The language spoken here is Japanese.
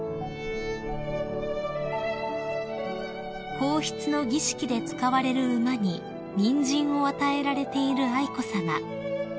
［皇室の儀式で使われる馬にニンジンを与えられている愛子さま］